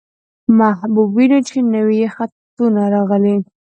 محبوب وينو، چې نوي يې خطونه راغلي.